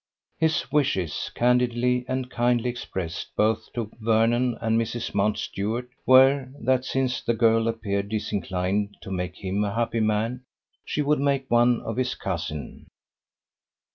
His wishes, candidly and kindly expressed both to Vernon and Mrs Mountstuart, were, that since the girl appeared disinclined to make him a happy man, she would make one of his cousin.